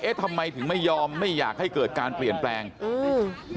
ทำไมถึงไม่ยอมไม่อยากให้เกิดการเปลี่ยนแปลงอืม